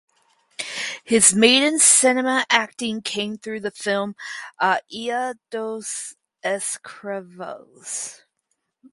His maiden cinema acting came through the film "A Ilha dos Escravos".